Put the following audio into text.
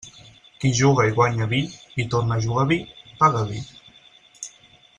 Qui juga i guanya vi, i torna a jugar vi, paga vi.